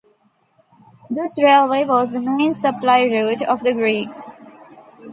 This railway was the main supply route of the Greeks.